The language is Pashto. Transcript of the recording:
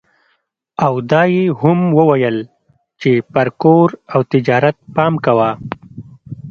دا يې هم وويل چې پر کور او تجارت پام کوه.